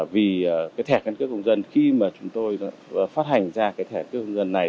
vì cái thẻ căn cước công dân khi mà chúng tôi phát hành ra cái thẻ cước dân này